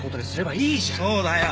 そうだよ。